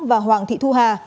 và hoàng thị thu hà